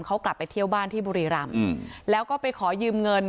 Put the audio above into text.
เขากลับไปเที่ยวบ้านที่บุรีรำแล้วก็ไปขอยืมเงิน